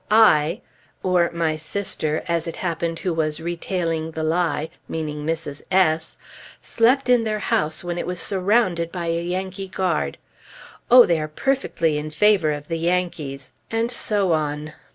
I" (or "my sister," as it happened who was retailing the lie, meaning Mrs. S ) "slept in their house when it was surrounded by a Yankee guard. Oh, they are perfectly in favor of the Yankees," and so on.